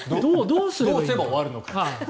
どうすれば終わるのか。